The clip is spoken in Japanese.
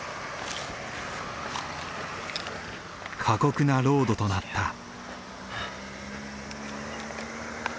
過酷なロードとなった。